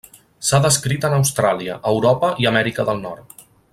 S'ha descrit en Austràlia, Europa i Amèrica del Nord.